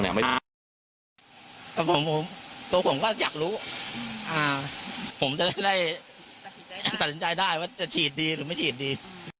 แต่ตัวผมก็อยากรู้ผมจะได้ตัดสินใจได้ว่าจะฉีดดีหรือไม่ฉีดดี